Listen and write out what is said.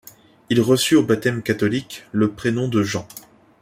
Il reçut au baptême catholique le prénom de Jean.